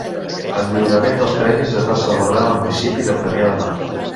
El lliurament dels premis es va celebrar al municipi de Premià de Mar.